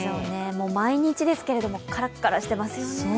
毎日ですけども、カラッカラしていますよね。